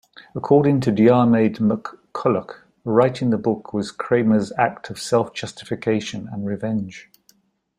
According to Diarmaid MacCulloch, writing the book was Kramer's act of self-justification and revenge.